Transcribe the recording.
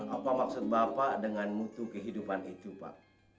apa maksud bapak dengan mutu kehidupan itu pak